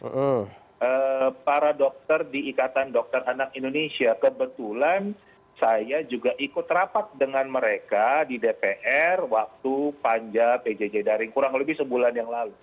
karena para dokter di ikatan dokter anak indonesia kebetulan saya juga ikut rapat dengan mereka di dpr waktu panja pjj daring kurang lebih sebulan yang lalu